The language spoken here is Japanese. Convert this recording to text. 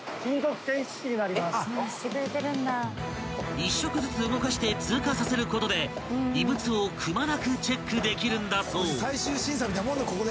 ［一食ずつ動かして通過させることで異物をくまなくチェックできるんだそう］